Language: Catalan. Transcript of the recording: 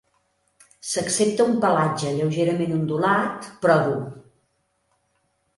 S'accepta un pelatge lleugerament ondulat, però dur.